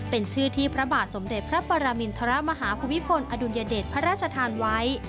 เป็นชื่อที่พระบาทสมเด็จพระปรมินทรมาฮาภูมิพลอดุลยเดชพระราชทานไว้